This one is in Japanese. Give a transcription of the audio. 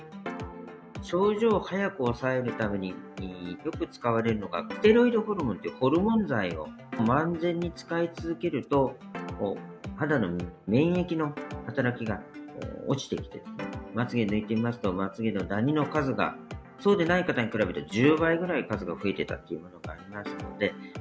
症状をはやく抑えるために、よく使われるのが、ステロイドホルモンというホルモン剤を、漫然に使い続けると、肌の免疫の働きが落ちてきて、まつげ抜いてみますと、まつげのダニの数が、そうでない方に比べて１０倍ぐらい数が増えていたということがあ